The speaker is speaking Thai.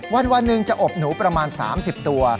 วันหนึ่งจะอบหนูประมาณ๓๐ตัว